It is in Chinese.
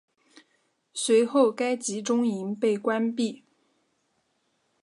随后该集中营被关闭。